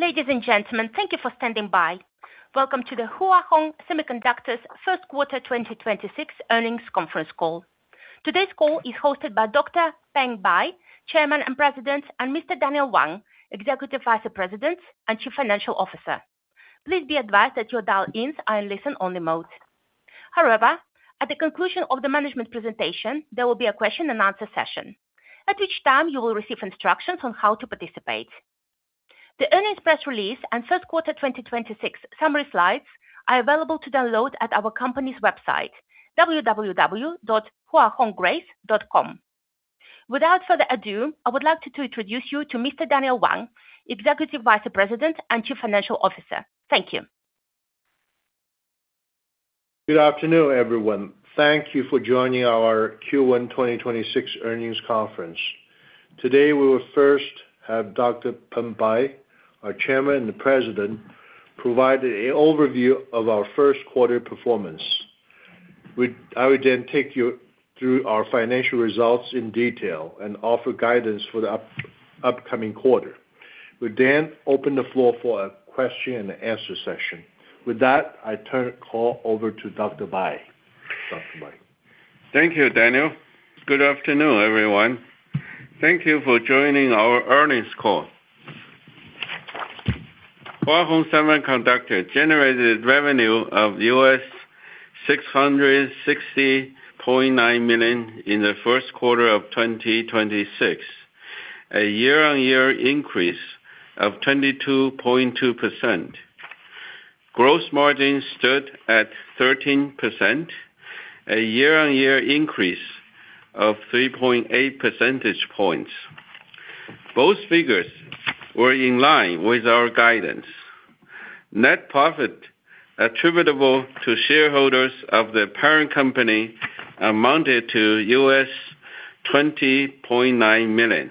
Ladies and gentlemen, thank you for standing by. Welcome to the Hua Hong Semiconductor's first quarter 2026 earnings conference call. Today's call is hosted by Dr. Peng Bai, Chairman and President, and Mr. Daniel Wang, Executive Vice President and Chief Financial Officer. Please be advised that your dial-ins are in listen-only mode. However, at the conclusion of the management presentation, there will be a question-and-answer session. At which time, you will receive instructions on how to participate. The earnings press release and first quarter 2026 summary slides are available to download at our company's website, www.huahonggrace.com. Without further ado, I would like to introduce you to Mr. Daniel Wang, Executive Vice President and Chief Financial Officer. Thank you. Good afternoon, everyone. Thank Thank you for joining our Q1 2026 earnings conference. Today, we will first have Dr. Peng Bai, our Chairman and President, provide a overview of our first quarter performance. I will then take you through our financial results in detail and offer guidance for the upcoming quarter. We'll open the floor for a question-and-answer session. With that, I turn the call over to Dr. Bai. Dr. Bai. Thank you, Daniel. Good afternoon, everyone. Thank you for joining our earnings call. Hua Hong Semiconductor generated revenue of $660.9 million in the first quarter of 2026, a year-over-year increase of 22.2%. Gross margin stood at 13%, a year-over-year increase of 3.8 percentage points. Both figures were in line with our guidance. Net profit attributable to shareholders of the parent company amounted to $20.9 million,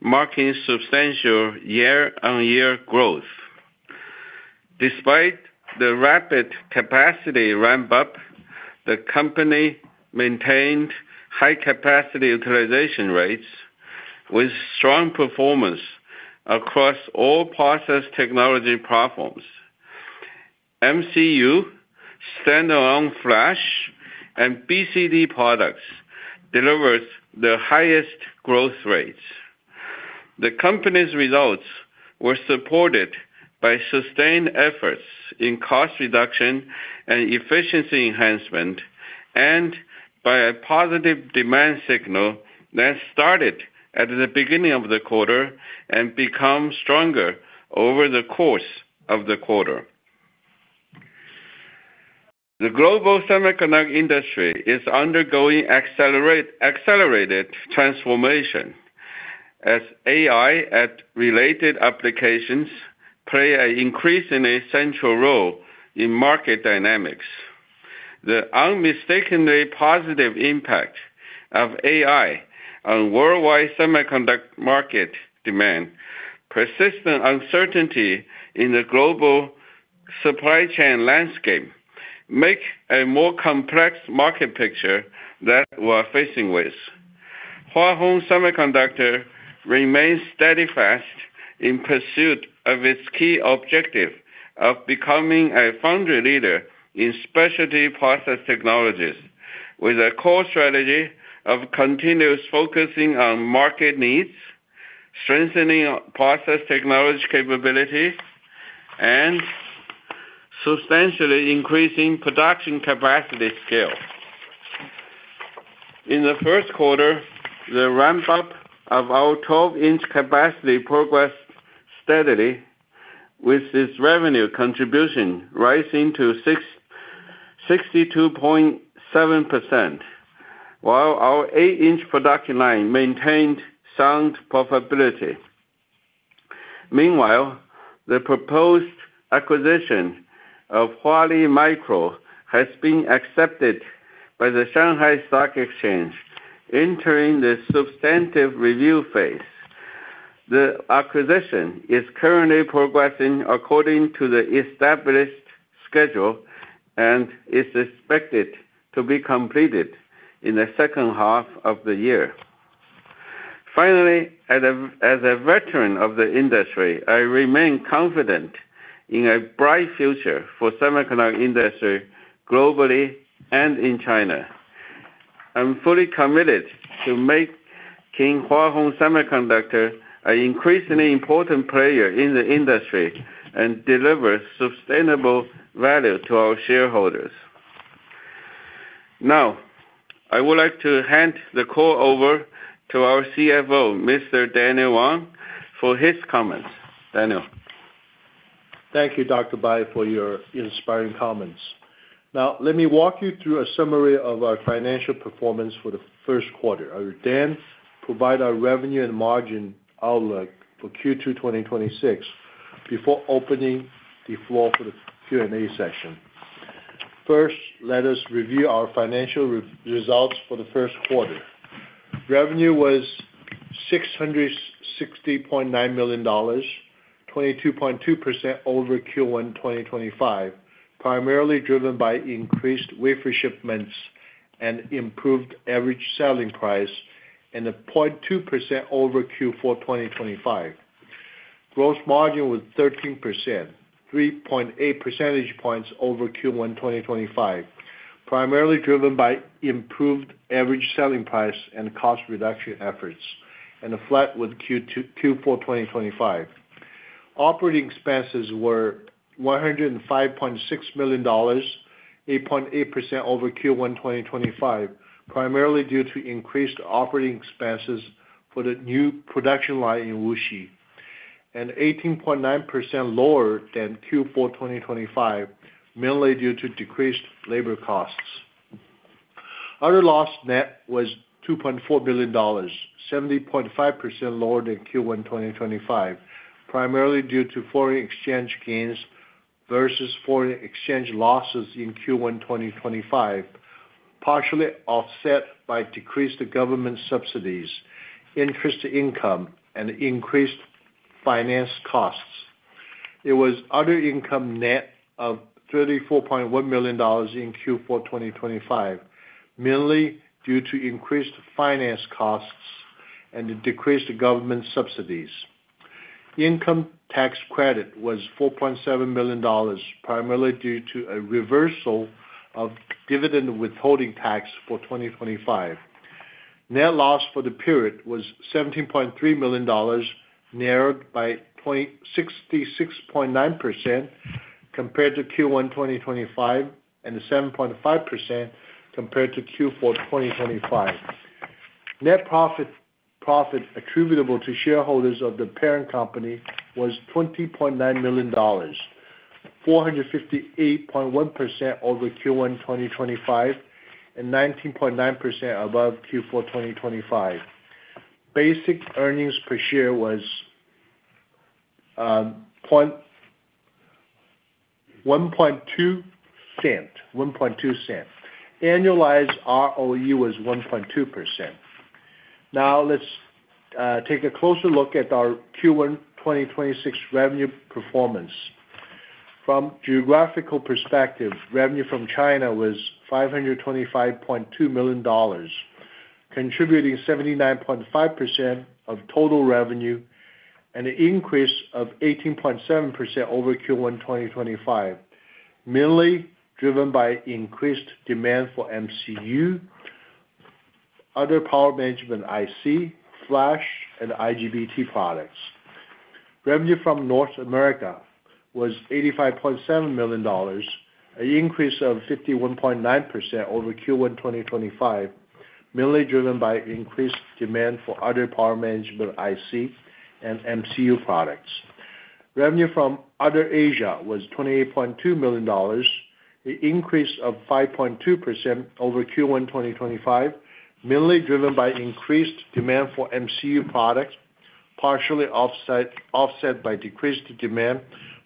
marking substantial year-over-year growth. Despite the rapid capacity ramp-up, the company maintained high capacity utilization rates with strong performance across all process technology platforms. MCU, standalone flash, and BCD products delivers the highest growth rates. The company's results were supported by sustained efforts in cost reduction and efficiency enhancement and by a positive demand signal that started at the beginning of the quarter and became stronger over the course of the quarter. The global semiconductor industry is undergoing accelerated transformation as AI and related applications play an increasingly central role in market dynamics. The unmistakably positive impact of AI on worldwide semiconductor market demand, persistent uncertainty in the global supply chain landscape make a more complex market picture that we are facing with. Hua Hong Semiconductor remains steadfast in pursuit of its key objective of becoming a foundry leader in specialty process technologies, with a core strategy of continuous focusing on market needs, strengthening our process technology capabilities, and substantially increasing production capacity scale. In the first quarter, the ramp-up of our 12-inch capacity progressed steadily, with its revenue contribution rising to 62.7%, while our 8-inch production line maintained sound profitability. Meanwhile, the proposed acquisition of Huali Micro has been accepted by the Shanghai Stock Exchange, entering the substantive review phase. The acquisition is currently progressing according to the established schedule and is expected to be completed in the second half of the year. Finally, as a veteran of the industry, I remain confident in a bright future for semiconductor industry globally and in China. I'm fully committed to make Hua Hong Semiconductor an increasingly important player in the industry and deliver sustainable value to our shareholders. I would like to hand the call over to our CFO, Mr. Daniel Wang, for his comments. Daniel. Thank you, Dr. Bai, for your inspiring comments. Let me walk you through a summary of our financial performance for the first quarter. I will provide our revenue and margin outlook for Q2 2026 before opening the floor for the Q&A session. Let us review our financial results for the first quarter. Revenue was $660.9 million, 22.2% over Q1 2025, primarily driven by increased wafer shipments and improved average selling price, and 0.2% over Q4 2025. Gross margin was 13%, 3.8 percentage points over Q1 2025, primarily driven by improved average selling price and cost reduction efforts, and flat with Q4 2025. Operating expenses were $105.6 million, 8.8% over Q1 2025, primarily due to increased operating expenses for the new production line in Wuxi, and 18.9% lower than Q4 2025, mainly due to decreased labor costs. Other loss net was $2.4 million, 70.5% lower than Q1 2025, primarily due to foreign exchange gains versus foreign exchange losses in Q1 2025, partially offset by decreased government subsidies, interest income, and increased finance costs. It was other income net of $34.1 million in Q4 2025, mainly due to increased finance costs and the decreased government subsidies. Income tax credit was $4.7 million, primarily due to a reversal of dividend withholding tax for 2025. Net loss for the period was $17.3 million, narrowed by 66.9% compared to Q1 2025 and the 7.5% compared to Q4 2025. Net profit attributable to shareholders of the parent company was $20.9 million, 458.1% over Q1 2025 and 19.9% above Q4 2025. Basic earnings per share was $0.012. Annualized ROE was 1.2%. Let's take a closer look at our Q1 2026 revenue performance. From geographical perspective, revenue from China was $525.2 million, contributing 79.5% of total revenue and an increase of 18.7% over Q1 2025, mainly driven by increased demand for MCU, other power management IC, flash, and IGBT products. Revenue from North America was $85.7 million, an increase of 51.9% over Q1 2025, mainly driven by increased demand for other power management IC and MCU products. Revenue from other Asia was $28.2 million, an increase of 5.2% over Q1 2025, mainly driven by increased demand for MCU products, partially offset by decreased demand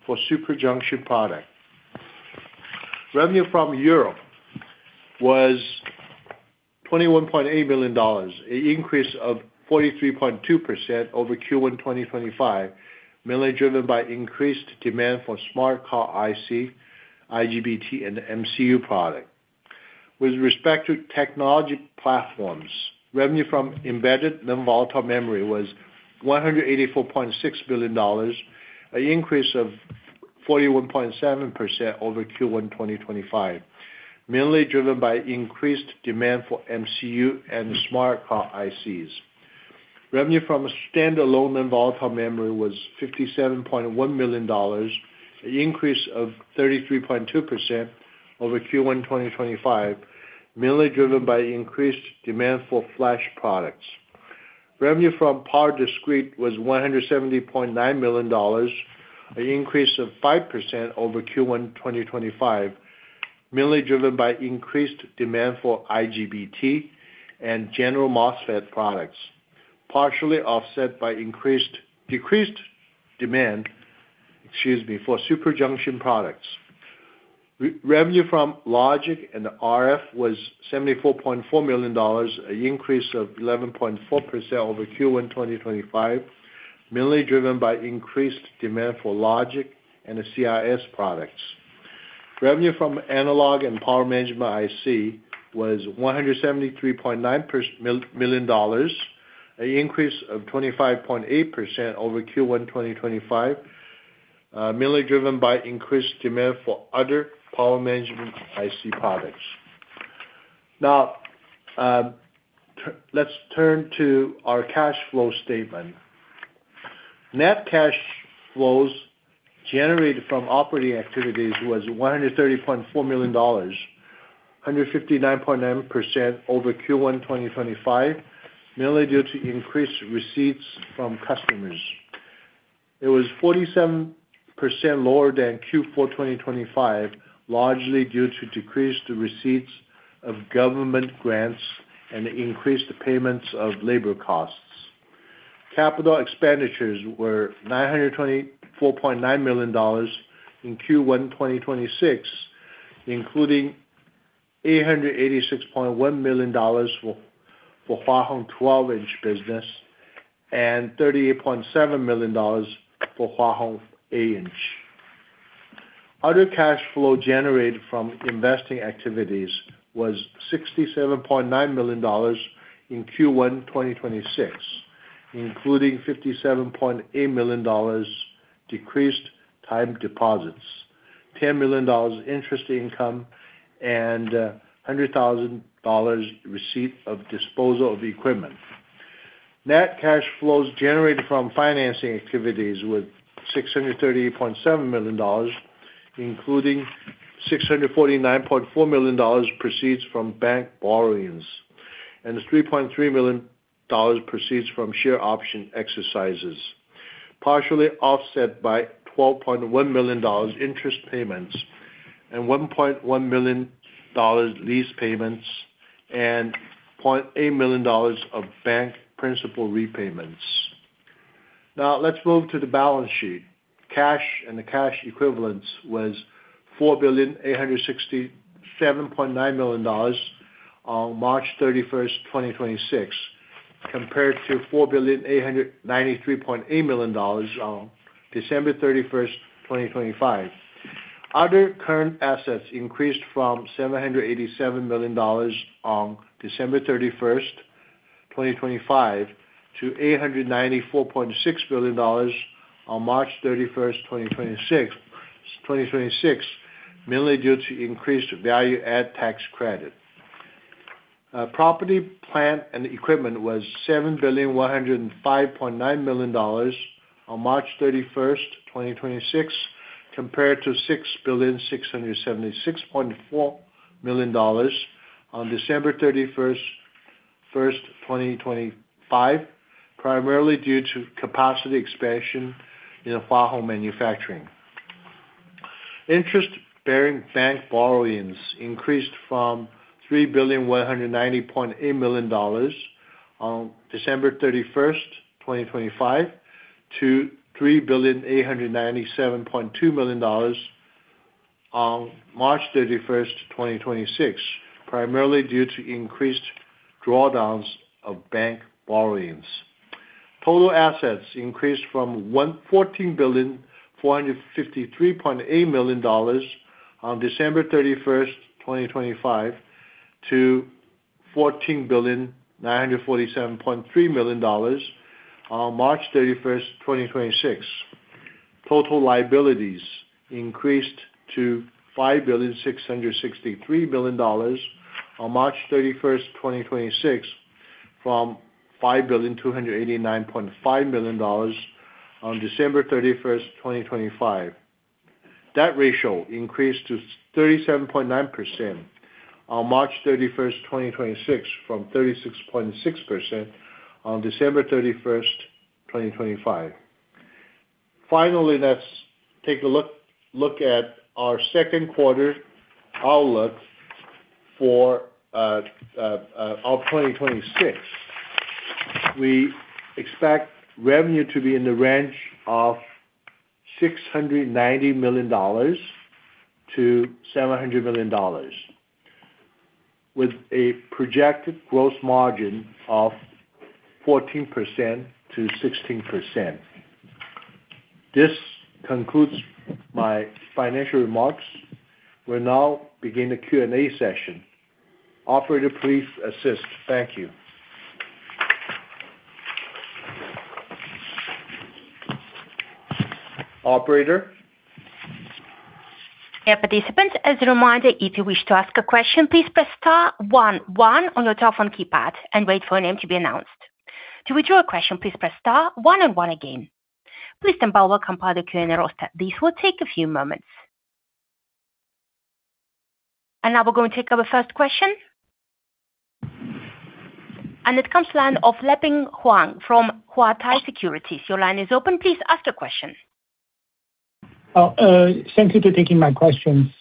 for superjunction product. Revenue from Europe was $21.8 million, an increase of 43.2% over Q1 2025, mainly driven by increased demand for smart card IC, IGBT, and MCU product. With respect to technology platforms, revenue from embedded non-volatile memory was $184.6 million, an increase of 41.7% over Q1 2025, mainly driven by increased demand for MCU and smart card ICs. Revenue from standalone non-volatile memory was $57.1 million, an increase of 33.2% over Q1 2025, mainly driven by increased demand for flash products. Revenue from power discrete was $170.9 million, an increase of 5% over Q1 2025, mainly driven by increased demand for IGBT and general MOSFET products, partially offset by decreased demand, excuse me, for superjunction products. Revenue from logic and RF was $74.4 million, an increase of 11.4% over Q1 2025, mainly driven by increased demand for logic and the CIS products. Revenue from analog and power management IC was $173.9 million, an increase of 25.8% over Q1 2025, mainly driven by increased demand for other power management IC products. Let's turn to our cash flow statement. Net cash flows generated from operating activities was $130.4 million, 159.9% over Q1 2025, mainly due to increased receipts from customers. It was 47% lower than Q4 2025, largely due to decreased receipts of government grants and increased payments of labor costs. CapEx were $924.9 million in Q1 2026, including $886.1 million for Hua Hong 12-inch business and $38.7 million for Hua Hong 8-inch. Other cash flow generated from investing activities was $67.9 million in Q1 2026, including $57.8 million decreased time deposits, $10 million interest income, and $100,000 receipt of disposal of equipment. Net cash flows generated from financing activities were $638.7 million, including $649.4 million proceeds from bank borrowings, and $3.3 million proceeds from share option exercises, partially offset by $12.1 million interest payments and $1.1 million lease payments and $0.8 million of bank principal repayments. Let's move to the balance sheet. Cash and the cash equivalents was $4,867.9 million on March 31, 2026, compared to $4,893.8 million on December 31, 2025. Other current assets increased from $787 million on December 31, 2025, to $894.6 million on March 31, 2026. 2026, mainly due to increased value-added tax credit. Property, plant, and equipment was $7,105.9 million on March 31, 2026, compared to $6,676.4 million on December 31, 2025, primarily due to capacity expansion in the Far East manufacturing. Interest-bearing bank borrowings increased from $3,190.8 million on December 31st, 2025, to $3,897.2 million on March 31st, 2026, primarily due to increased drawdowns of bank borrowings. Total assets increased from $14,453.8 million on December 31st, 2025, to $14,947.3 million on March 31st, 2026. Total liabilities increased to $5,663 million on March 31st, 2026, from $5,289.5 million on December 31st, 2025. Debt ratio increased to 37.9% on March 31st, 2026, from 36.6% on December 31st, 2025. Let's take a look at our second quarter outlook for our 2026. We expect revenue to be in the range of $690 million-$700 million with a projected gross margin of 14%-16%. This concludes my financial remarks. We'll now begin the Q&A session. Operator, please assist. Thank you. Operator? Yeah, participants, as a reminder, if you wish to ask a question, please press star one one on your telephone keypad and wait for a name to be announced. To withdraw a question, please press star one and one again. Please stand by while compile the Q&A roster. This will take a few moments. Now we're going to take our first question. It comes to the line of Leping Huang from Huatai Securities. Your line is open. Please ask the question. Thank you for taking my question.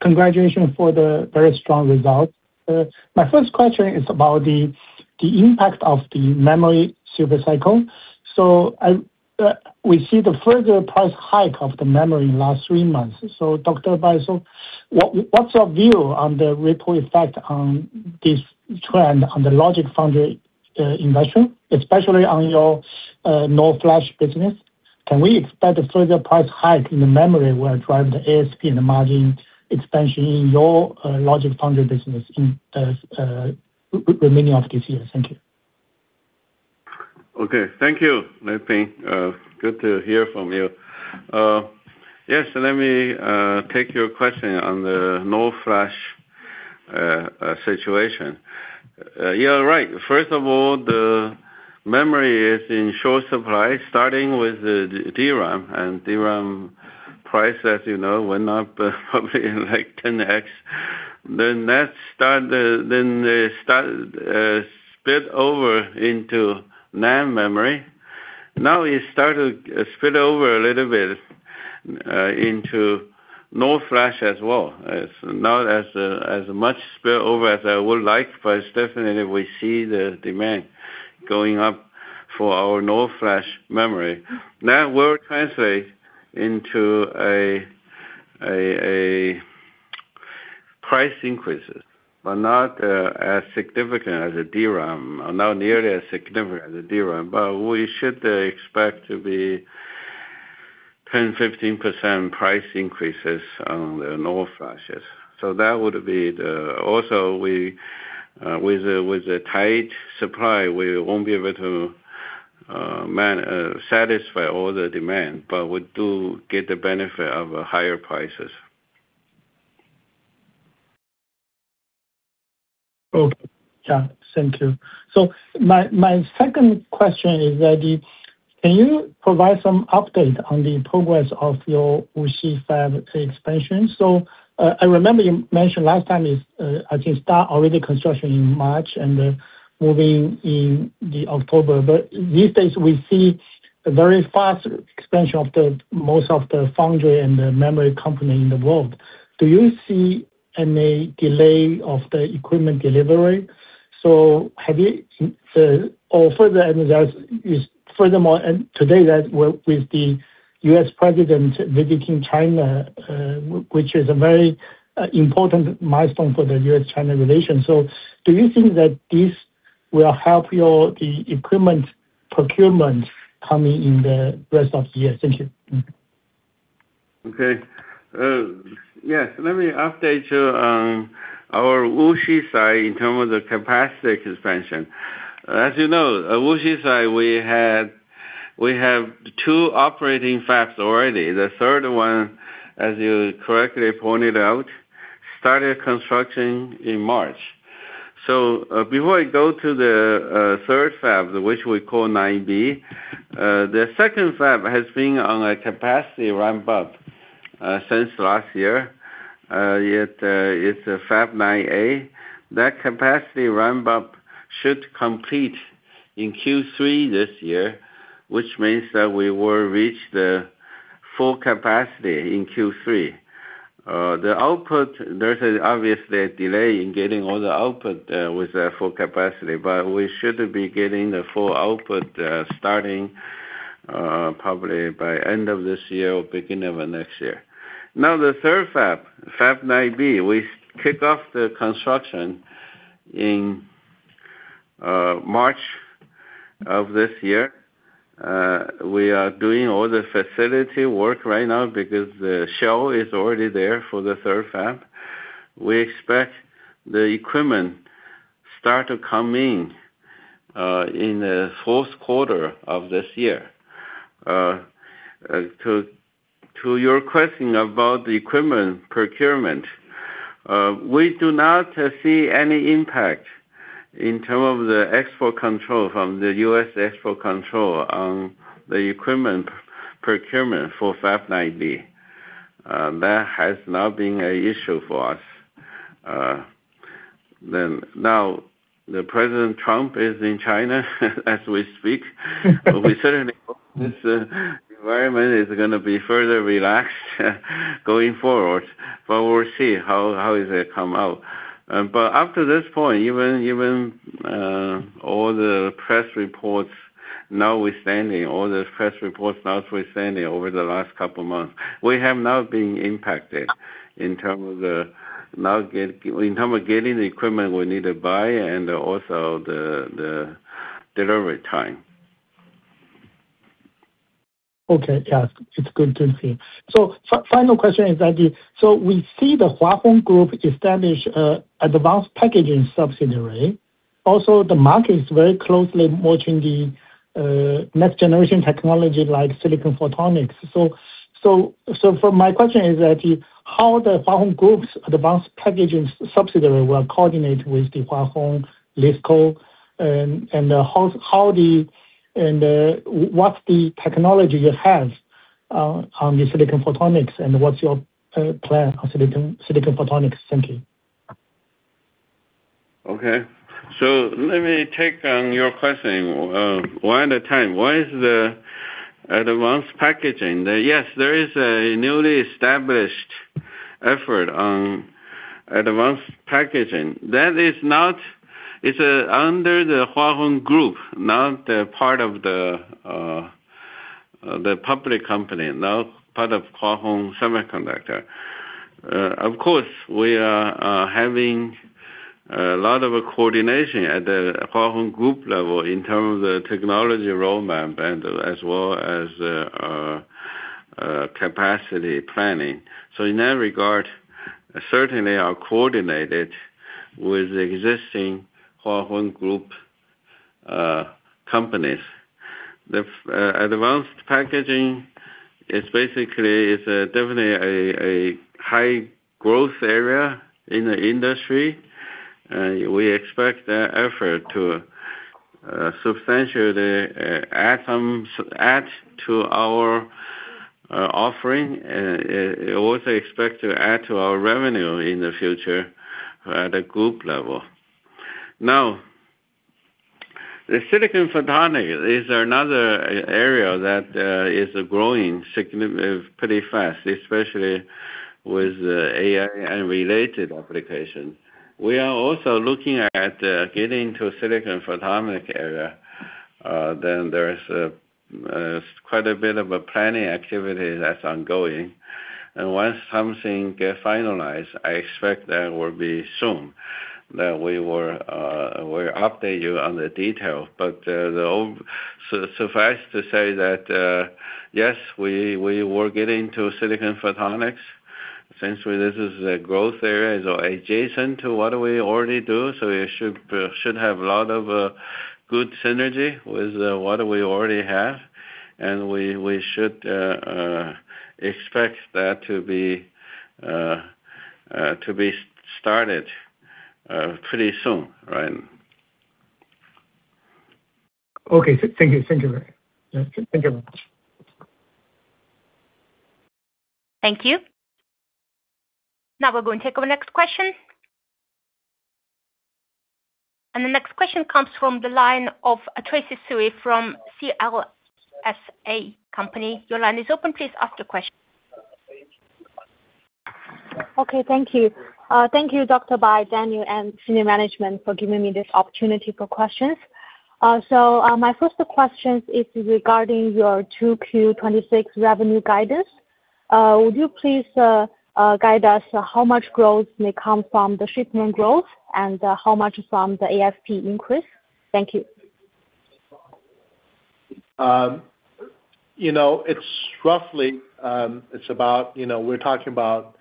Congratulations for the very strong result. My first question is about the impact of the memory super cycle. We see the further price hike of the memory in last three months. Dr. Bai, what's your view on the ripple effect on this trend on the logic foundry investment, especially on your NOR flash business? Can we expect a further price hike in the memory will drive the ASP and the margin expansion in your logic foundry business in remaining of this year? Thank you. Okay. Thank you, Leping. Good to hear from you. Yes, let me take your question on the NOR flash situation. You're right. First of all, the memory is in short supply, starting with the DRAM. DRAM price, as you know, went up probably like 10x. They start spill over into NAND memory. It started spill over a little bit into NOR flash as well. It's not as much spill over as I would like, but definitely we see the demand going up for our NOR flash memory. Price increases, not as significant as the DRAM. Not nearly as significant as the DRAM. We should expect to be 10%-15% price increases on the NOR flashes. Also, with the tight supply, we won't be able to satisfy all the demand, but we do get the benefit of higher prices. Okay. Yeah. Thank you. My second question is, can you provide some update on the progress of your Wuxi Fab expansion? I remember you mentioned last time, I can start already construction in March and then moving in October. These days we see a very fast expansion of the most of the foundry and the memory company in the world. Do you see any delay of the equipment delivery? Furthermore, today with the U.S. President visiting China, which is a very important milestone for the U.S.-China relation. Do you think that this will help the equipment procurement coming in the rest of the year? Thank you. Okay. Yes. Let me update you on our Wuxi site in terms of the capacity expansion. As you know, Wuxi site we have two operating fabs already. The third one, as you correctly pointed out, started construction in March. Before I go to the third fab, which we call 9B, the second fab has been on a capacity ramp up since last year. It's a Fab 9A. That capacity ramp up should complete in Q3 this year, which means that we will reach the full capacity in Q3. The output, there's an obviously a delay in getting all the output with the full capacity, but we should be getting the full output starting probably by end of this year or beginning of next year. The third fab, Fab 9B, we kicked off the construction in March of this year. We are doing all the facility work right now because the shell is already there for the third fab. We expect the equipment start to come in in the fourth quarter of this year. To your question about the equipment procurement, we do not see any impact in term of the export control from the U.S. export control on the equipment procurement for Fab 9B. That has not been a issue for us. Now, President Trump is in China as we speak. We certainly hope this environment is gonna be further relaxed going forward. We'll see how is it come out. After this point, even all the press reports notwithstanding over the last couple of months, we have not been impacted in terms of getting the equipment we need to buy and also the delivery time. Okay. Yeah. It's good to hear. Final question is that we see the Hua Hong Group establish a advanced packaging subsidiary. Also, the market is very closely watching the next generation technology like silicon photonics. My question is how the Hua Hong Group's advanced packaging subsidiary will coordinate with Hua Hong Semiconductor, and what's the technology you have on the silicon photonics, and what's your plan on silicon photonics? Thank you. Okay. Let me take on your question, one at a time. One is the advanced packaging. Yes, there is a newly established effort on advanced packaging. It's under the Hua Hong Group, not the part of the public company. Not part of Hua Hong Semiconductor. Of course, we are having a lot of coordination at the Hua Hong Group level in terms of the technology roadmap and as well as the capacity planning. In that regard, certainly are coordinated with the existing Hua Hong Group companies. Advanced packaging is basically a definitely a high growth area in the industry. We expect that effort to substantially add to our offering, also expect to add to our revenue in the future at the group level. The silicon photonic is another area that is growing pretty fast, especially with AI and related applications. We are also looking at getting into silicon photonic area. There is quite a bit of a planning activity that's ongoing. Once something get finalized, I expect that will be soon, that we will update you on the detail. Suffice to say that yes, we will get into silicon photonics. Since this is a growth area, is adjacent to what we already do, so it should have a lot of good synergy with what we already have. We should expect that to be started pretty soon. Right. Okay. Thank you. Thank you very much. Thank you. Now we're going to take our next question. The next question comes from the line of Tracy Cui from CLSA Company. Your line is open. Please ask the question. Okay. Thank you. Thank you, Dr. Bai, Daniel, and senior management for giving me this opportunity for questions. My first question is regarding your 2Q 2026 revenue guidance. Would you please guide us how much growth may come from the shipment growth and how much from the ASP increase? Thank you. You know, it's roughly, it's about, you know, we're talking about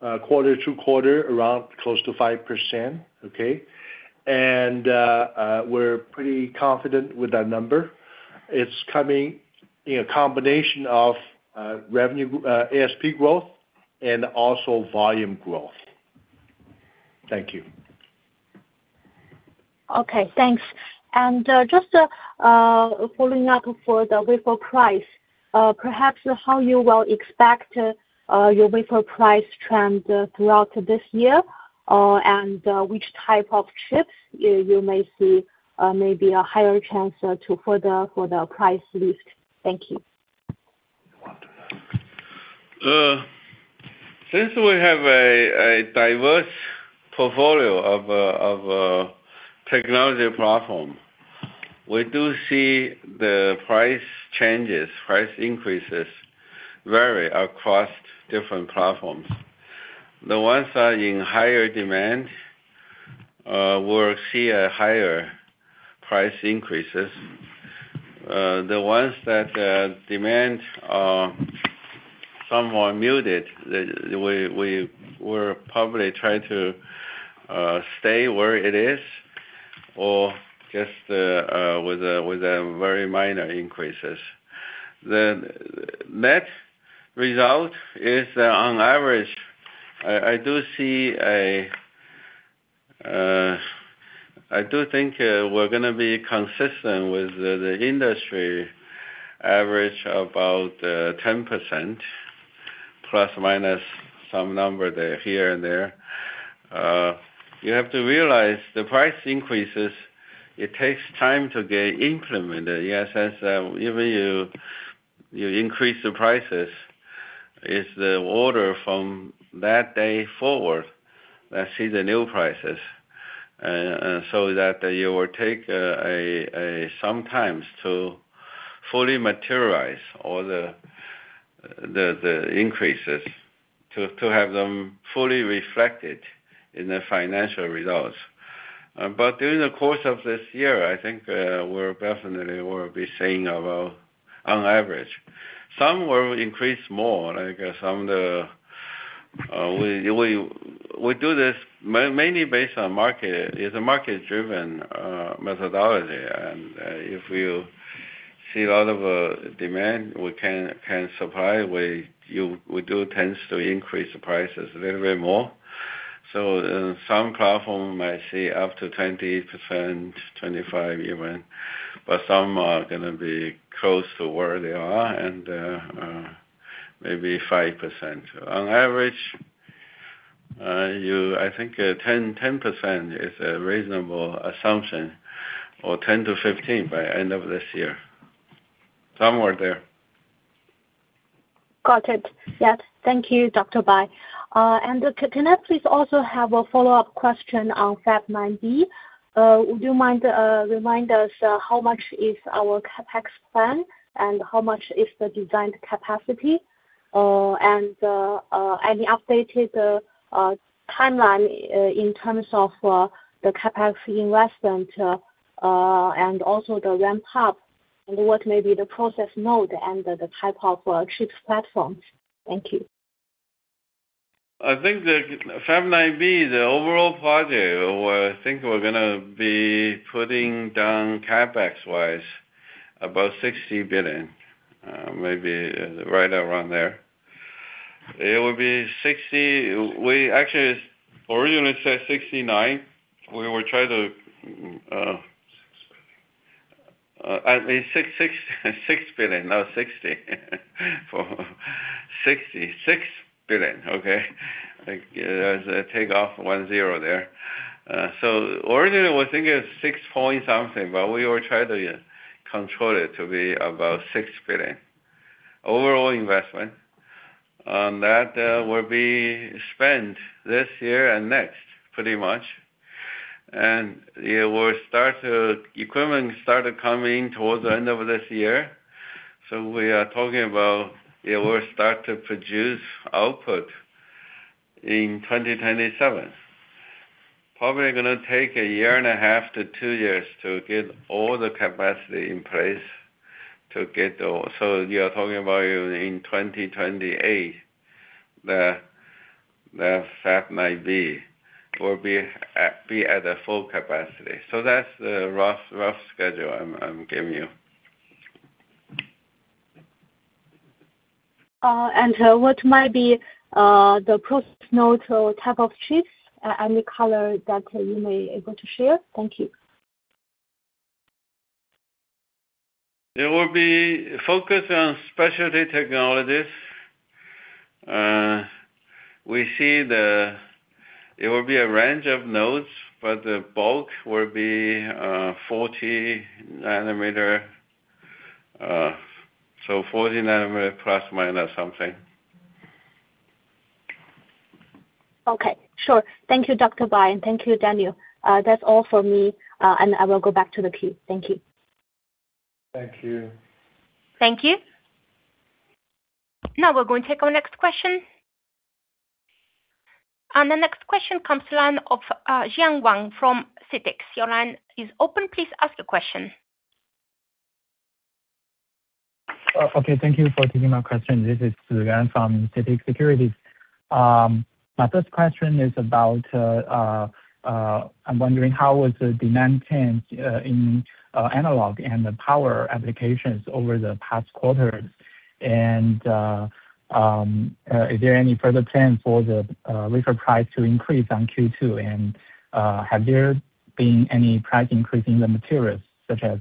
quarter-to-quarter, around close to 5%. Okay. We're pretty confident with that number. It's coming in combination of, revenue, ASP growth and also volume growth. Thank you. Okay, thanks. Just following up for the wafer price, perhaps how you will expect your wafer price trend throughout this year, and which type of chips you may see maybe a higher chance to for the price list? Thank you. Since we have a diverse portfolio of technology platform, we do see the price changes, price increases vary across different platforms. The ones that are in higher demand will see a higher price increases. The ones that demand are somewhat muted, we will probably try to stay where it is or just with a very minor increases. The net result is that on average, I do think we're gonna be consistent with the industry average about 10%, plus minus some number there, here and there. You have to realize the price increases, it takes time to get implemented. Yes, as even you increase the prices, it's the order from that day forward that see the new prices. That you will take sometimes to fully materialize all the increases to have them fully reflected in the financial results. During the course of this year, I think, we're definitely will be seeing about on average. Some will increase more, like some of the, we do this mainly based on market. It's a market-driven methodology. If you see a lot of demand, we do tends to increase the prices a little bit more. Some platform might see up to 20%, 25% even, but some are gonna be close to where they are and maybe 5%. On average, I think, 10% is a reasonable assumption, or 10%-15% by end of this year. Somewhere there. Got it. Yes. Thank you, Dr. Bai. Can I please also have a follow-up question on Fab 9B? Would you mind remind us how much is our CapEx plan and how much is the designed capacity? Any updated timeline in terms of the capacity investment and also the ramp up, and what may be the process mode and the type of chips platforms. Thank you. I think the Fab 9B, the overall project, I think we're gonna be putting down CapEx-wise about $60 billion, maybe right around there. It will be $60. We actually originally said $69. We will try to. $6 billion. I mean $6 billion, not 60. For 60. $6 billion, okay? Like, take off one zero there. Originally we were thinking six point something, but we will try to control it to be about $6 billion. Overall investment on that will be spent this year and next, pretty much. It will start to equipment started coming towards the end of this year, so we are talking about it will start to produce output in 2027. Probably going to take a year and a half to two years to get all the capacity in place to get all. You are talking about in 2028, the fab might be, will be at a full capacity. That's the rough schedule I'm giving you. What might be the process node type of chips? Any color that you may able to share? Thank you. It will be focused on specialty technologies. It will be a range of nodes, but the bulk will be 40 nanometer. 40 nanometer plus minus something. Okay, sure. Thank you, Dr. Bai. Thank you, Daniel. That's all for me, and I will go back to the queue. Thank you. Thank you. Thank you. Now we're going to take our next question. The next question comes line of Ziyuan Wang from CITIC Securities. Your line is open. Please ask the question. Okay, thank you for taking my question. This is Ziyuan Wang from CITIC Securities. My first question is about, I'm wondering how has the demand changed in analog and the power applications over the past quarters? Is there any further plan for the wafer price to increase on Q2? Have there been any price increase in the materials such as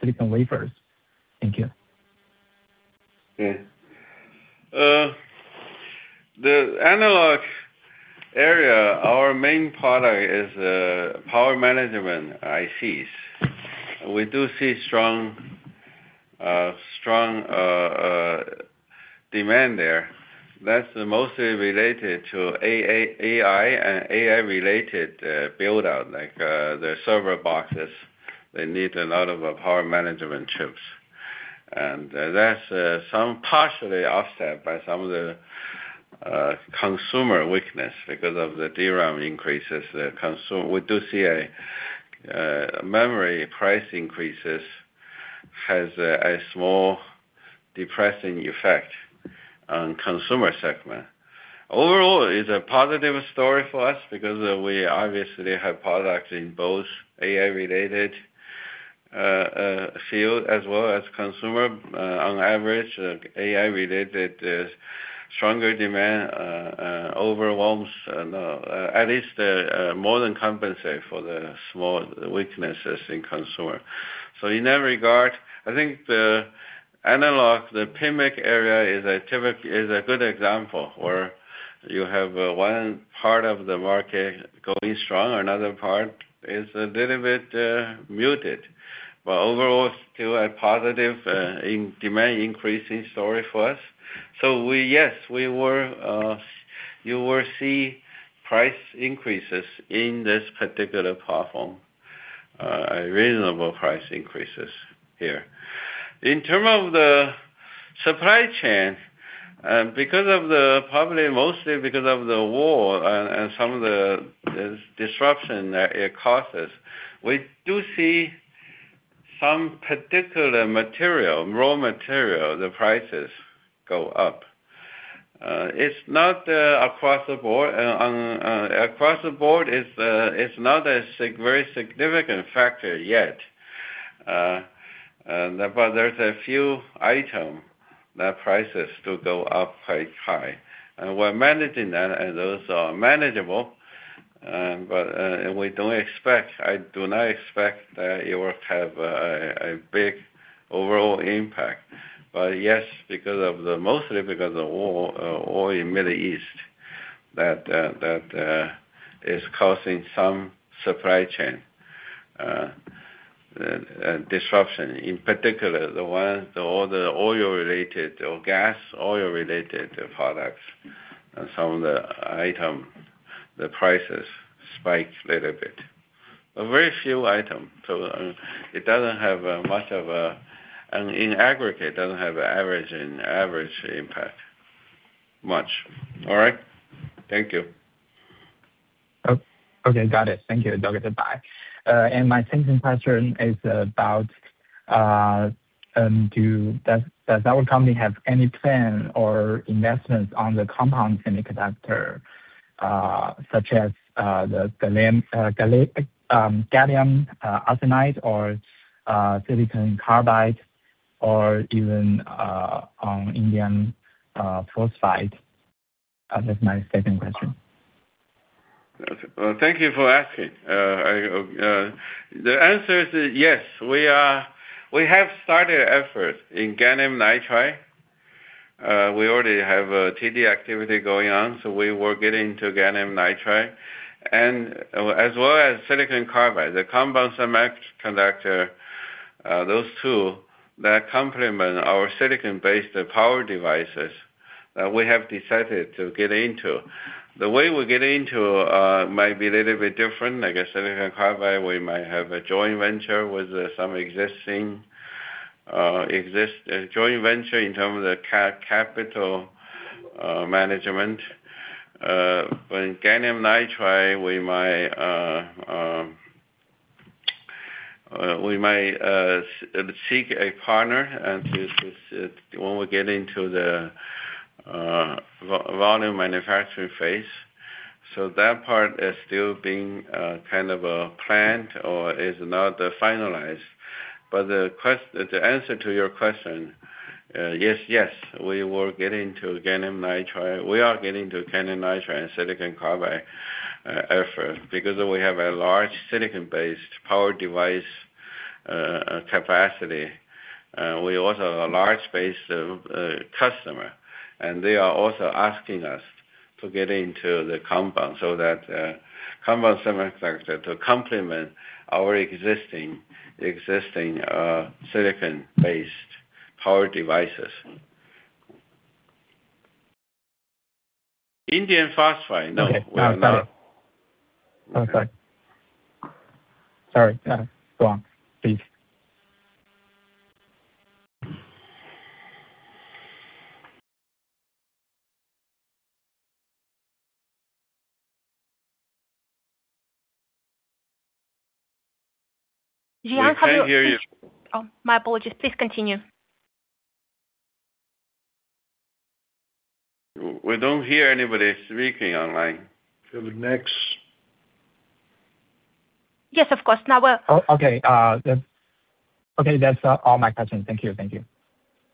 silicon wafers? Thank you. The analog area, our main product is power management ICs. We do see strong demand there. That's mostly related to AI and AI-related build-out, like the server boxes. They need a lot of power management ICs. That's partially offset by some of the consumer weakness because of the DRAM increases. We do see a memory price increases has a small depressing effect on consumer segment. Overall, it's a positive story for us because we obviously have products in both AI-related field as well as consumer. On average, AI-related stronger demand overwhelms, at least, more than compensate for the small weaknesses in consumer. In that regard, I think the analog, the PMIC area is a good example where you have one part of the market going strong, another part is a little bit muted. Overall, still a positive, in demand increasing story for us. We, yes, we will, you will see price increases in this particular platform. Reasonable price increases here. In terms of the supply chain, because of probably mostly because of the war and some of the, its disruption that it causes, we do see some particular material, raw material, the prices go up. It's not across the board. On across the board, it's not a very significant factor yet. There's a few items that prices do go up quite high. We're managing that, and those are manageable. We don't expect, I do not expect that it will have a big overall impact. Yes, because of mostly because of war, oil in Middle East that is causing some supply chain disruption. In particular, the ones, the oil, the oil-related or gas, oil-related products and some of the item, the prices spike little bit. A very few item. It doesn't have an average impact much. All right. Thank you. Okay, got it. Thank you, Dr. Bai. My second question is about, does our company have any plan or investments on the compound semiconductor, such as the gallium arsenide or silicon carbide or even indium phosphide? That's my second question. Well, thank you for asking. The answer is yes. We have started effort in gallium nitride. We already have a TD activity going on, so we were getting to gallium nitride and as well as silicon carbide. The compound semiconductor. Those two that complement our silicon-based power devices, we have decided to get into. The way we get into, might be a little bit different. Like I said, in carbide, we might have a joint venture with some existing joint venture in terms of the capital management. In gallium nitride, we might seek a partner when we get into the volume manufacturing phase. That part is still being kind of planned or is not finalized. The answer to your question, yes, we will get into gallium nitride. We are getting to gallium nitride and silicon carbide effort because we have a large silicon-based power device capacity. We also have a large base of customer, and they are also asking us to get into the compound, so that compound semiconductor to complement our existing silicon-based power devices. Indium phosphide? No, we are not. Okay. No, sorry. I'm sorry. Sorry. Go on, please. We can't hear you. Oh, my apologies. Please continue. We don't hear anybody speaking online. Philip, next. Yes, of course. Okay, that's all my questions. Thank you.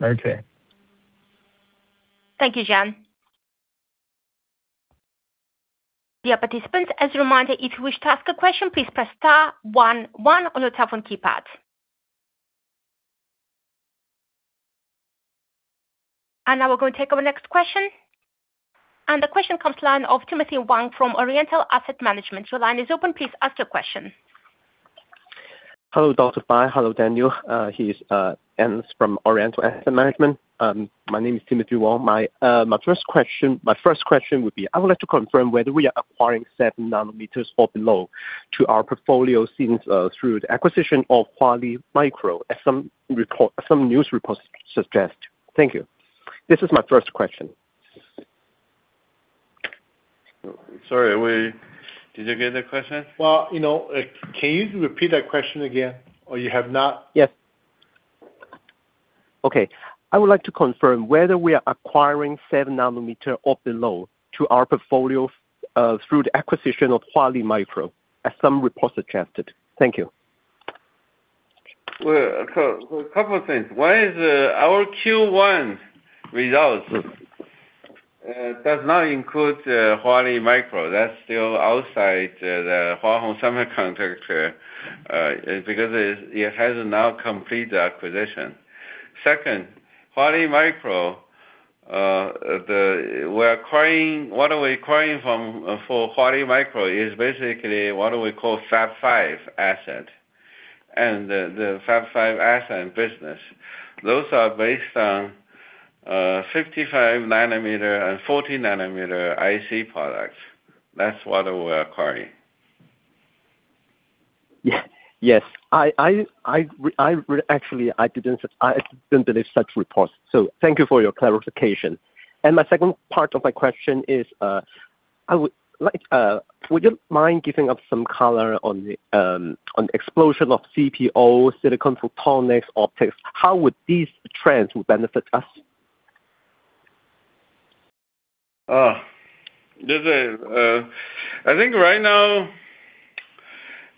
Very clear. Thank you, Ziyuan. Dear participants, as a reminder, if you wish to ask a question, please press star one one on your telephone keypad. Now we're going to take our next question. The question comes line of Timothy Wang from Oriental Asset Management. Your line is open. Please ask your question. Hello, Dr. Bai. Hello, Daniel. Here's An from Oriental Asset Management. My name is Timothy Wang. My first question would be, I would like to confirm whether we are acquiring 7-nanometers or below to our portfolio since through the acquisition of Huali Microelectronics as some news reports suggest. Thank you. This is my first question. Sorry, did you get that question? Well, you know, can you repeat that question again? Yes. Okay. I would like to confirm whether we are acquiring 7-nanometer or below to our portfolio, through the acquisition of Huali Microelectronics, as some reports suggested. Thank you. Well, a couple of things. One is, our Q1 results does not include Huali Microelectronics. That's still outside the Hua Hong Semiconductor because it has not complete the acquisition. Second, Huali Microelectronics, what are we acquiring from for Huali Microelectronics is basically what do we call Fab 5 asset. The Fab 5 asset and business, those are based on 55-nanometer and 40-nanometer IC products. That's what we are acquiring. Yes. I actually didn't believe such reports, so thank you for your clarification. My second part of my question is, I would like, would you mind giving some color on the explosion of CPO, silicon photonics optics? How would these trends benefit us? Oh. This is, I think right now,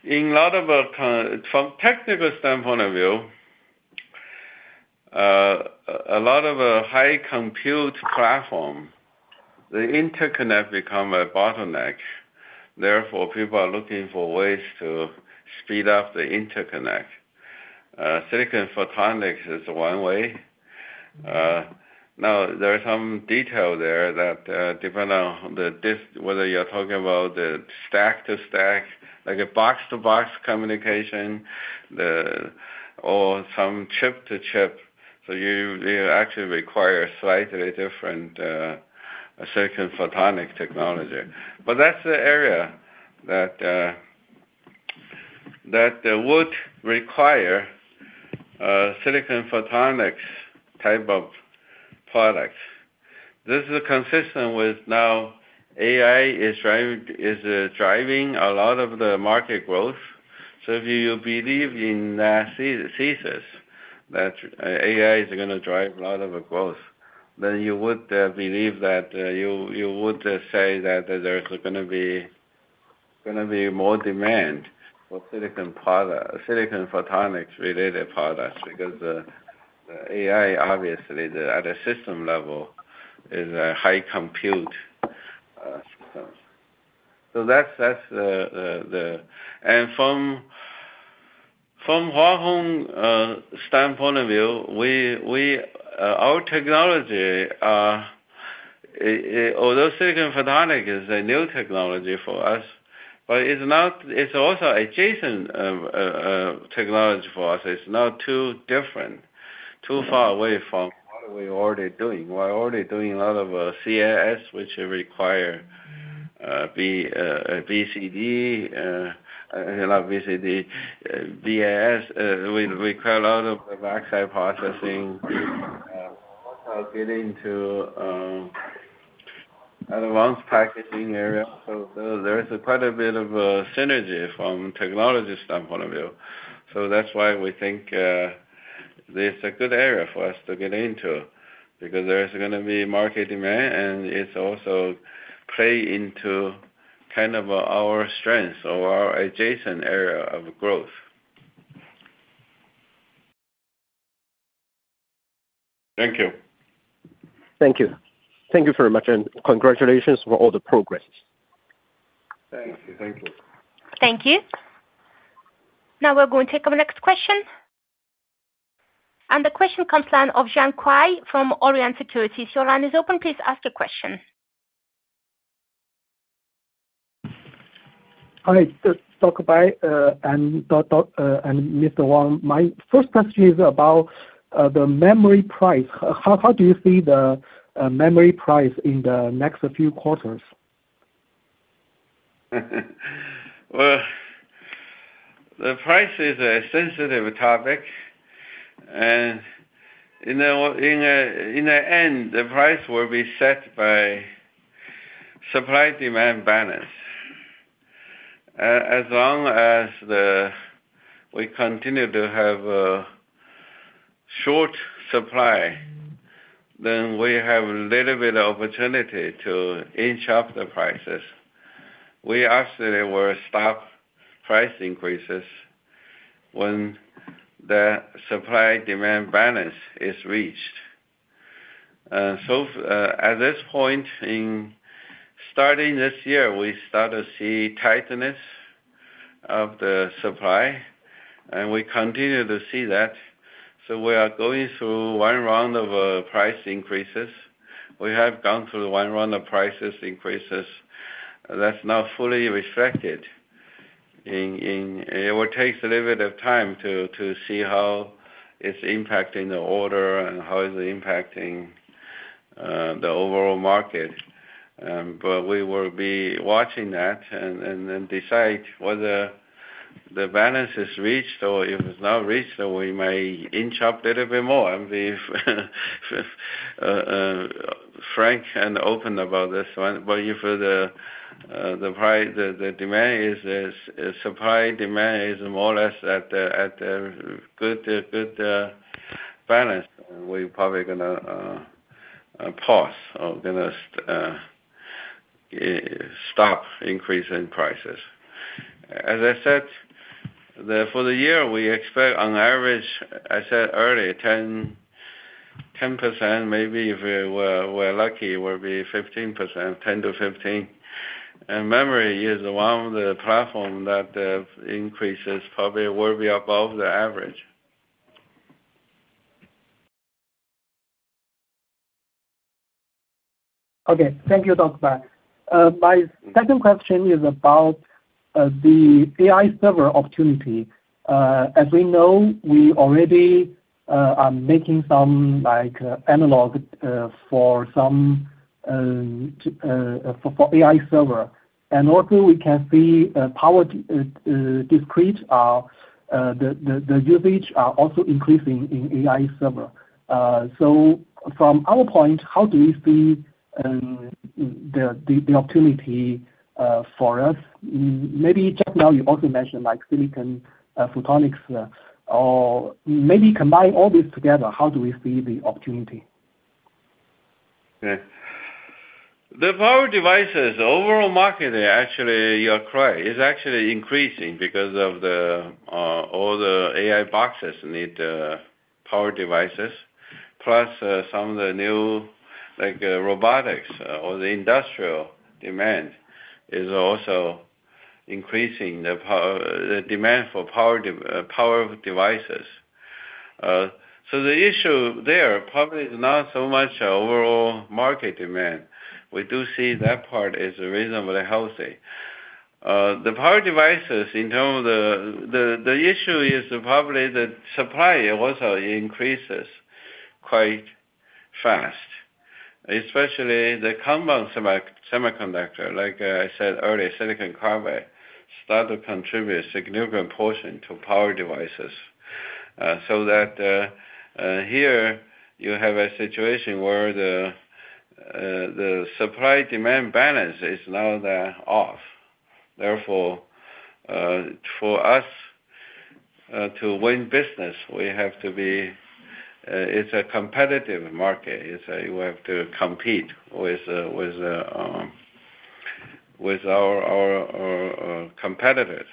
in light of, from technical standpoint of view, a lot of high compute platform, the interconnect become a bottleneck. People are looking for ways to speed up the interconnect. Silicon photonics is one way. Now, there are some detail there that depend on whether you're talking about the rack-to-rack, like a box-to-box communication, some chip-to-chip. You actually require slightly different silicon photonic technology. That's the area that would require a silicon photonics type of products. This is consistent with now AI is driving a lot of the market growth. If you believe in this thesis that AI is gonna drive a lot of growth, then you would believe that you would say that there's gonna be more demand for silicon photonics related products. AI obviously at a system level is a high compute systems. That's the. From Hua Hong standpoint of view, we our technology, although silicon photonics is a new technology for us, but it's also adjacent technology for us. It's not too different, too far away from what we're already doing. We're already doing a lot of CIS, which require BCD, not BCD, BSI, we require a lot of backside processing. Also get into other ones packaging area. There is quite a bit of synergy from technology standpoint of view. That's why we think this a good area for us to get into because there is gonna be market demand, and it also play into kind of our strength or our adjaent area of growth. Thank you. Thank you. Thank you very much, and congratulations for all the progress. Thank you. Thank you. Thank you. Now we're going to take our next question. The question comes line of Jiang Kai from Orient Securities. Your line is open. Please ask your question. All right. Dr. Bai, Mr. Wang, my first question is about the memory price. How do you see the memory price in the next few quarters? Well, the price is a sensitive topic, and in the end, the price will be set by supply-demand balance. As long as we continue to have a short supply, then we have a little bit of opportunity to inch up the prices. We actually will stop price increases when the supply-demand balance is reached. At this point in starting this year, we start to see tightness of the supply, and we continue to see that. We are going through one round of price increases. We have gone through one round of price increases. That's now fully reflected. It will take a little bit of time to see how it's impacting the order and how it's impacting the overall market. We will be watching that and then decide whether the balance is reached, or if it's not reached, then we may inch up a little bit more. We've frank and open about this one. If the price, the demand is supply/demand is more or less at the good balance, we probably gonna pause or gonna stop increase in prices. I said, for the year, we expect on average, I said earlier, 10%, maybe if we're lucky, it will be 15%, 10%-15%. Memory is one of the platform that the increase is probably will be above the average. Okay. Thank you, Dr. Bai. My second question is about the AI server opportunity. As we know, we already are making some like analog for some for AI server. We can see power discrete the usage are also increasing in AI server. From our point, how do you see the opportunity for us? Maybe just now you also mentioned like silicon photonics or maybe combine all this together, how do we see the opportunity? Yeah. The power devices, the overall market actually, you're correct, is actually increasing because of all the AI boxes need power devices. Plus, some of the new, like, robotics or the industrial demand is also increasing the demand for power devices. The issue there probably is not so much overall market demand. We do see that part is reasonably healthy. The power devices in terms of the issue is probably the supply also increases quite fast, especially the compound semiconductor, like I said earlier, silicon carbide start to contribute a significant portion to power devices. That here you have a situation where the supply-demand balance is now they're off. Therefore, for us, to win business, we have to be, it's a competitive market. It's, you have to compete with our competitors.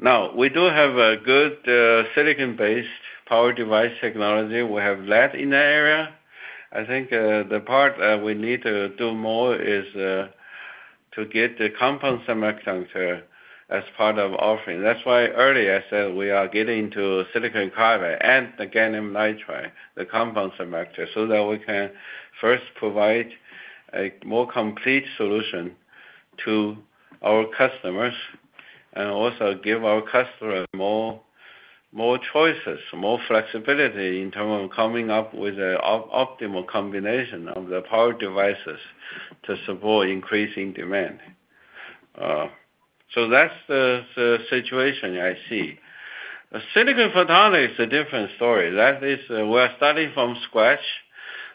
Now, we do have a good silicon-based power device technology. We have that in the area. I think the part we need to do more is to get the compound semiconductor as part of offering. That's why earlier I said we are getting to silicon carbide and gallium nitride, the compound semiconductor, so that we can first provide a more complete solution to our customers and also give our customers more choices, more flexibility in terms of coming up with an optimal combination of the power devices to support increasing demand. That's the situation I see. Silicon photonics is a different story. That is, we're starting from scratch.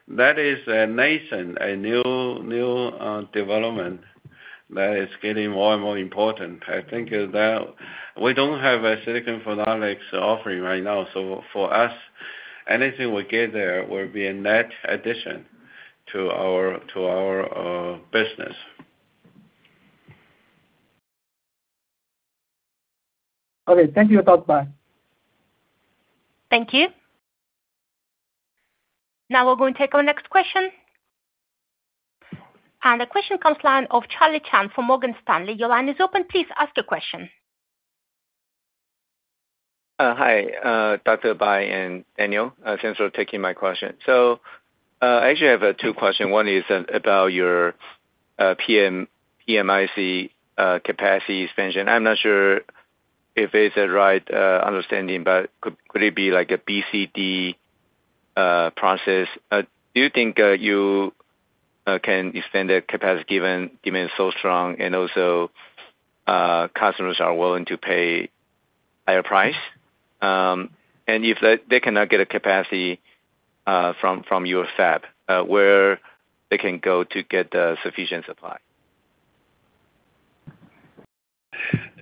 That is a nascent, new development that is getting more and more important. I think that we don't have a silicon photonics offering right now. For us, anything we get there will be a net addition to our business. Okay, thank you. Dr. Bai. Thank you. Now we're going to take our next question. The question comes line of Charlie Chan from Morgan Stanley. Your line is open. Please ask your question. Hi, Dr. Bai and Daniel. Thanks for taking my question. I actually have two question. One is about your PMIC capacity expansion. I'm not sure if it's the right understanding, but could it be like a BCD process? Do you think you can extend the capacity given demand is so strong and also customers are willing to pay higher price? If they cannot get a capacity from your fab, where they can go to get the sufficient supply?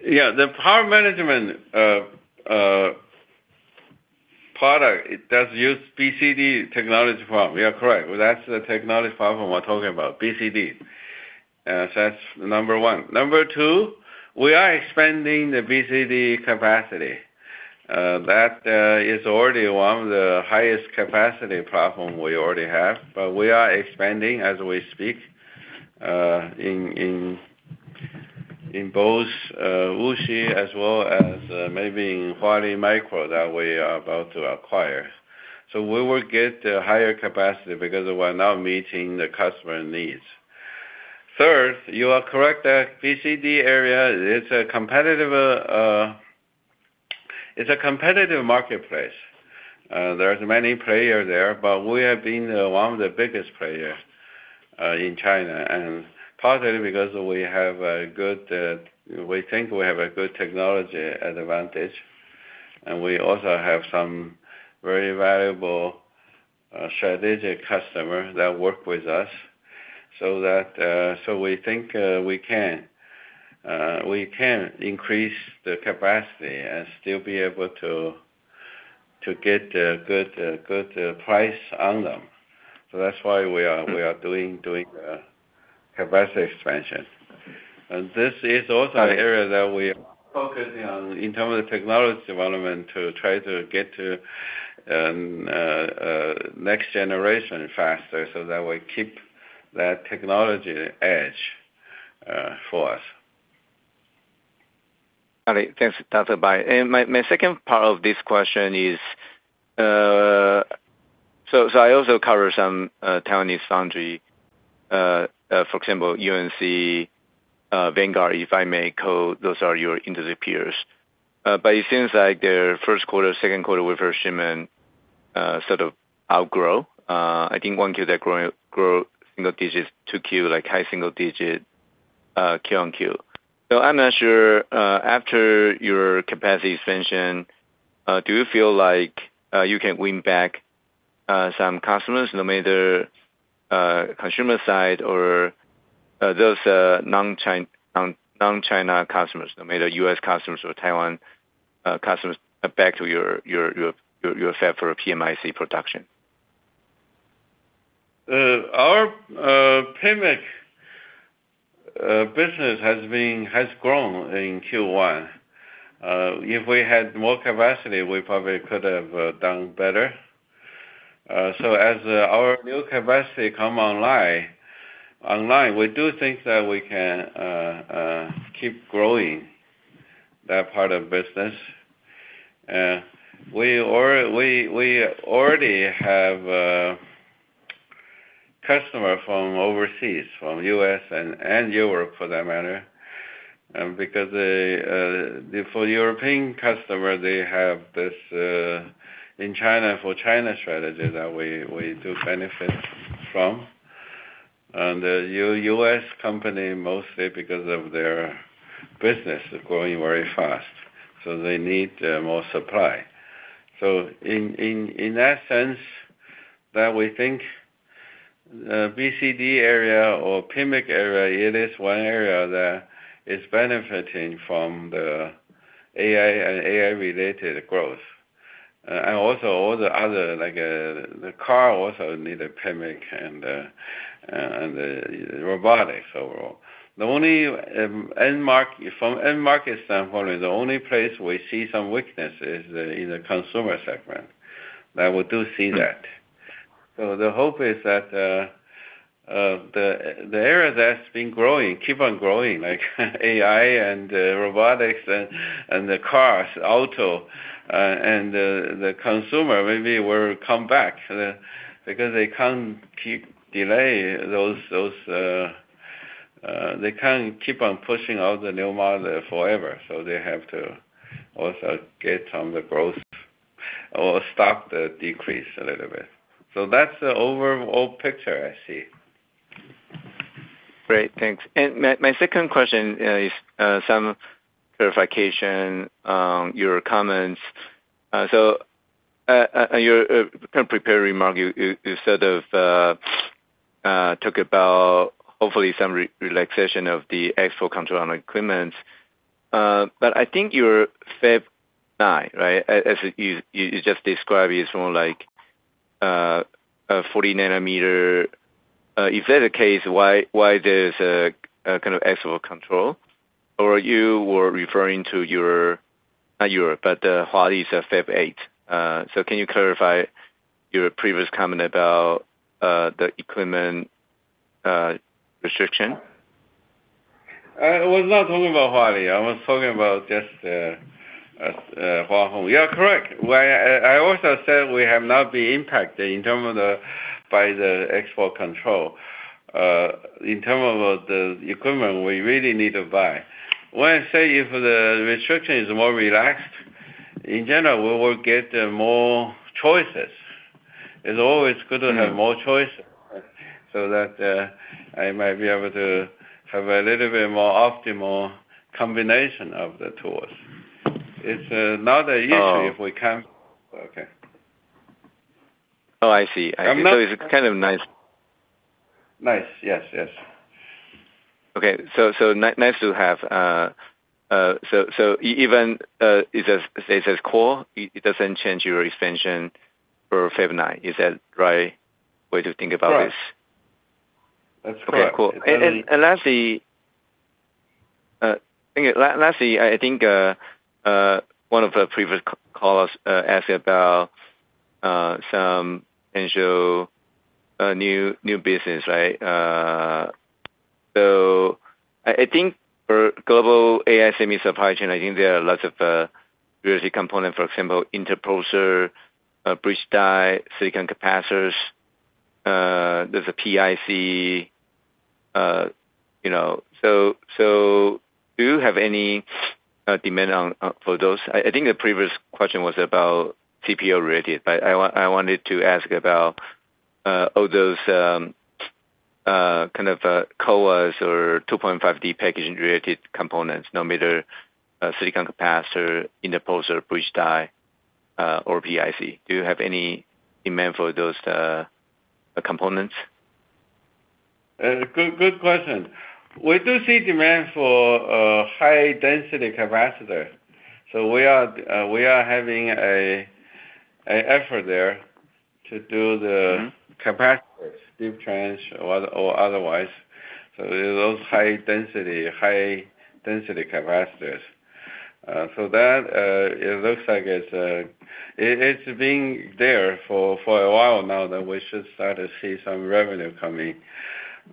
The power management product, it does use BCD technology platform. You are correct. That's the technology platform we're talking about, BCD. That's number one. Number two, we are expanding the BCD capacity. That is already one of the highest capacity platform we already have. We are expanding as we speak, in both Wuxi as well as maybe in Huali Micro that we are about to acquire. We will get higher capacity because we're now meeting the customer needs. Third, you are correct that BCD area is a competitive, it's a competitive marketplace. There are many players there, we have been one of the biggest players in China. Partly because we have a good, we think we have a good technology advantage, and we also have some very valuable, strategic customers that work with us. We think we can increase the capacity and still be able to get a good price on them. That's why we are doing a capacity expansion. This is also an area that we are focusing on in terms of technology development to try to get to next generation faster so that we keep that technology edge for us. All right. Thanks, Dr. Bai. My second part of this question is, I also cover some Taiwanese foundry, for example, UMC, Vanguard, if I may call, those are your industry peers. It seems like their first quarter, second quarter with first shipment sort of outgrow. I think one quarter grow single digits to 2Q, like high single digit Q on Q. I'm not sure, after your capacity expansion, do you feel like you can win back some customers, you know, either consumer side or those non-China customers, you know, either U.S. customers or Taiwan customers back to your fab for a PMIC production? Our PMIC business has grown in Q1. If we had more capacity, we probably could have done better. As our new capacity come online, we do think that we can keep growing that part of business. We already have a customer from overseas, from U.S. and Europe for that matter. Because for European customer, they have this in China for China strategy that we do benefit from. U.S. company, mostly because of their business growing very fast, so they need more supply. In that sense, that we think BCD area or PMIC area, it is one area that is benefiting from the AI and AI-related growth. Also all the other, the car also need a PMIC and robotics overall. The only, from end market standpoint, the only place we see some weakness is in the consumer segment. That we do see that. The hope is that the area that's been growing keep on growing, like AI and robotics and the cars, auto, and the consumer maybe will come back. Because they can't keep delaying those, they can't keep on pushing out the new model forever, they have to also get on the growth or stop the decrease a little bit. That's the overall picture I see. Great. Thanks. My, my second question, you know, is some clarification on your comments. On your kind of prepared remark, you, you sort of talked about hopefully some re-relaxation of the export control on equipments. I think your Fab 9, right? As you just described, it's more like a 40 nanometer. If that's the case, why there's a kind of export control? You were referring to your Not your, but the Huawei's Fab 8. Can you clarify your previous comment about the equipment restriction? I was not talking about Huawei. I was talking about just Hua Hong. You are correct. I also said we have not been impacted by the export control. In terms of the equipment we really need to buy. When I say if the restriction is more relaxed, in general, we will get more choices. It's always good to have more choices, right? I might be able to have a little bit more optimal combination of the tools. It's not easy. Oh. if we can. Okay. Oh, I see. I see. I'm not- It's kind of nice. Nice. Yes. Yes. Okay. So nice to have. Even, it's a core, it doesn't change your extension for Fab 9. Is that right way to think about this? Correct. That's correct. Okay, cool. And, and- Lastly, I think one of the previous callers asked about some Amkor new business, right? I think for global OSAT supply chain, I think there are lots of realistic component, for example, interposer, bridge die, silicon capacitors, there's a PIC, you know. Do you have any demand out for those? I think the previous question was about CPO-related, I wanted to ask about all those kind of CoWoS or 2.5D packaging-related components, no matter silicon capacitor, interposer, bridge die, or PIC. Do you have any demand for those components? Good question. We do see demand for high density capacitor. We are having a effort there. Capacitors, deep trench or other, or otherwise. Those high density capacitors. It looks like it's been there for a while now that we should start to see some revenue coming.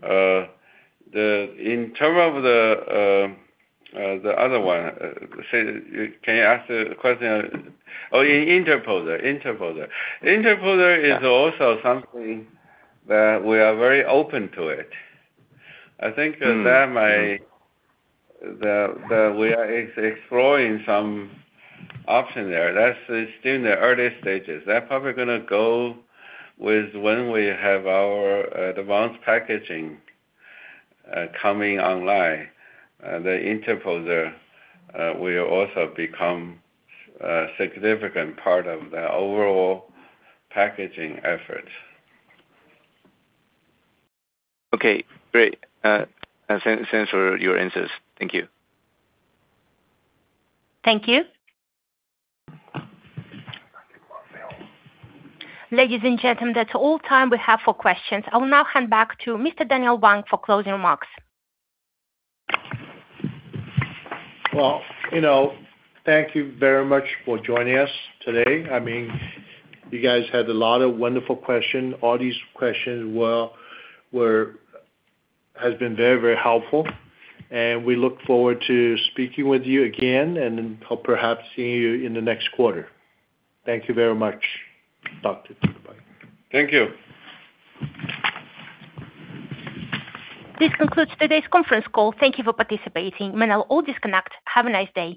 In terms of the other one, say, can you ask the question? Oh, interposer. Yeah. This is also something that we are very open to it. That might. We are exploring some option there. That's still in the early stages. That probably gonna go with when we have our advanced packaging coming online. The interposer will also become a significant part of the overall packaging effort. Okay, great. Thanks for your answers. Thank you. Thank you. Ladies and gentlemen, that's all time we have for questions. I will now hand back to Mr. Daniel Wang for closing remarks. Well, you know, thank you very much for joining us today. I mean, you guys had a lot of wonderful question. All these questions were Has been very, very helpful, and we look forward to speaking with you again and then perhaps seeing you in the next quarter. Thank you very much. Talk to you. Bye. Thank you. This concludes today's conference call. Thank you for participating. You may now all disconnect. Have a nice day.